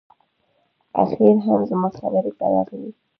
اخیر هم زما خبرې ته راغلې